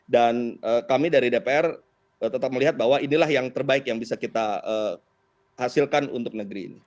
dan kami dari dpr tetap melihat bahwa inilah yang terbaik yang bisa kita hasilkan untuk negeri ini